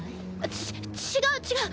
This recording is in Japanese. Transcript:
ち違う違う。